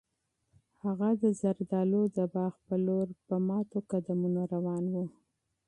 هغه د زردالیو د باغ په لور په ماتو قدمونو روان و.